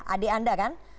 adik anda kan